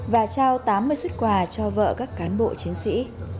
và trao tám mươi xuất quà cho vợ các cán bộ chiến sĩ